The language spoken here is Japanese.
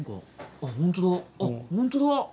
あっ本当だ！